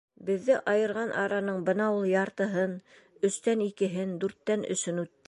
Беҙҙе айырған араның бына ул яртыһын, өстән икеһен, дүрттән өсөн үтте.